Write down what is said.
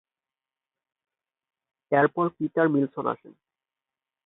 এরপর Peter Milson আসেন।